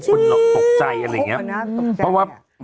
มะนาว